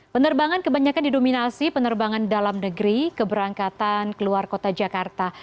penerbangan kebanyakan didominasi penerbangan dalam negeri keberangkatan keluar kota jakarta